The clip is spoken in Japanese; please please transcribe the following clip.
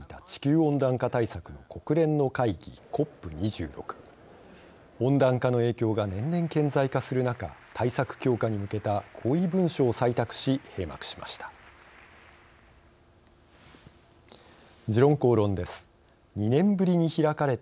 温暖化の影響が年々、顕在化する中対策強化に向けた合意文書を採択し閉幕しました。